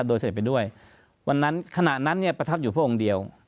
โดยเสร็จไปด้วยวันนั้นขณะนั้นเนี่ยประทับอยู่พระองค์เดียว